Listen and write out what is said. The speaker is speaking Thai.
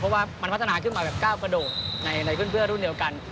เพราะว่ามันพัฒนาขึ้นมาแบบก้าวกระโดดในเพื่อนรุ่นเดียวกัน